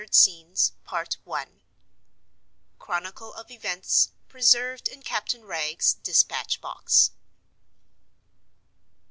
BETWEEN THE SCENES. CHRONICLE OF EVENTS: PRESERVED IN CAPTAIN WRAGGE'S DESPATCH BOX.